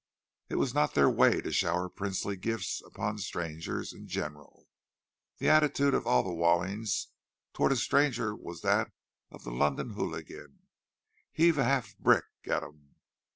It was not their way to shower princely gifts upon strangers; in general, the attitude of all the Wallings toward a stranger was that of the London hooligan—"'Eave a 'arf a brick at 'im!"